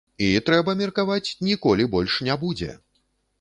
І, трэба меркаваць, ніколі больш не будзе!